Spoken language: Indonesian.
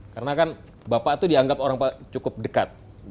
karena kan bapak itu dianggap orang cukup dekat